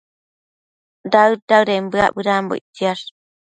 daëd-daëden bëac bedambo ictsiash